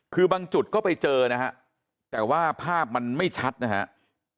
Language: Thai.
คือบางจุดก็ไปเจอนะฮะแต่ว่าภาพมันไม่ชัดนะครับ